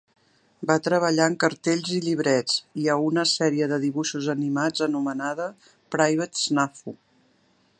Va treballar en cartells i llibrets, i a una sèrie de dibuixos animats anomenada Private Snafu.